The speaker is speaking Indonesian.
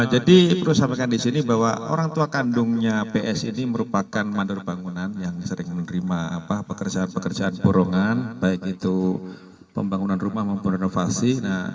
jadi baru saya tambahkan di sini bahwa orang tua kandungnya ps ini merupakan mandor bangunan yang sering menerima pekerjaan pekerjaan borongan baik itu pembangunan rumah renovasi